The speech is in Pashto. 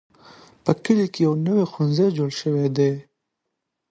په کلي کې یو نوی ښوونځی جوړ شوی دی.